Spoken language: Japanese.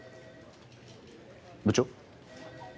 部長？